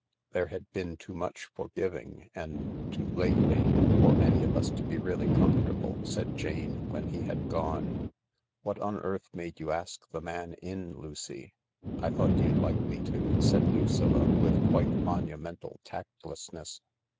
"There had been too much forgiving, and too lately, for any of us to be really comfortable," said Jane when he had gone. " What on earth made you ask the man in, Lticy ?" M I thought you'd like me to," said Lucilla, with quite jftontimental tactlessness.